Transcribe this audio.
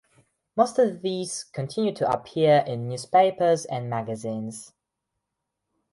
Most of these continue to appear in newspapers and magazines.